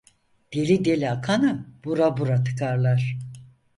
Deli deli akanı, bura bura tıkarlar.